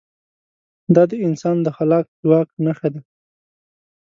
دا د انسان د خلاق ځواک نښه ده.